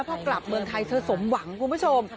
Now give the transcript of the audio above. พอกลับเมืองไทยเธอสมหวังคุณผู้ชม